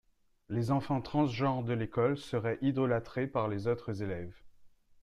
Les enfants transgenres de l’école seraient idolâtrés par les autres élèves.